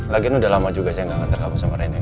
lagian udah lama juga saya gak nganter kamu sama reni